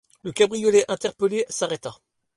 Le cabriolet interpellé s’arrêta.